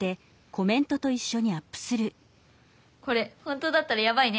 これ本当だったらヤバいね。